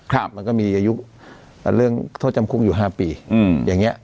ครับมันก็มีอายุอ่าเรื่องโทษจำคุกอยู่ห้าปีอืมอย่างเงี้